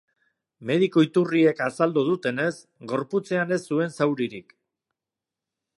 Mediku iturriek azaldu dutenez gorputzean ez zuen zauririk.